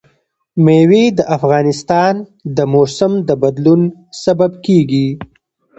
مېوې د افغانستان د موسم د بدلون سبب کېږي.